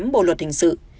bộ luật hình sự